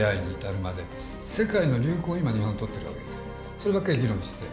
そればっかり議論して。